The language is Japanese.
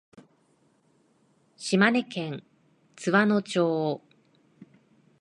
島根県津和野町